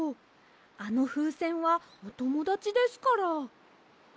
あのふうせんはおともだちですから。